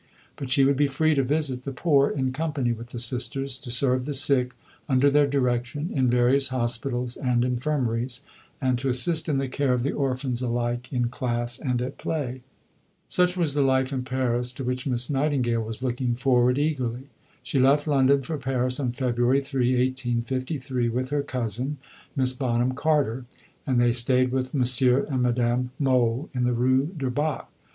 But she would be free to visit the poor in company with the Sisters, to serve the sick under their direction in various hospitals and infirmaries, and to assist in the care of the orphans alike in class and at play. Such was the life in Paris to which Miss Nightingale was looking forward eagerly. She left London for Paris on February 3, 1853, with her cousin, Miss Bonham Carter, and they stayed with M. and Madame Mohl in the Rue du Bac.